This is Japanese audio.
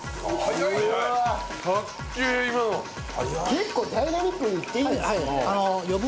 結構ダイナミックにいっていいんですね。